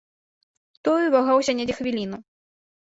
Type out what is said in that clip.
Той вагаўся недзе хвіліну.